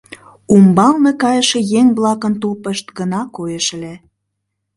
Умбалне кайыше еҥ-влакын тупышт гына коеш ыле.